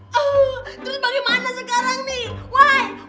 terus bagaimana sekarang nih